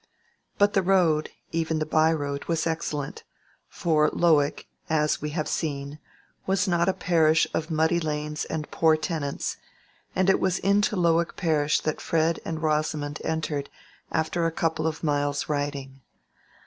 But the road, even the byroad, was excellent; for Lowick, as we have seen, was not a parish of muddy lanes and poor tenants; and it was into Lowick parish that Fred and Rosamond entered after a couple of miles' riding.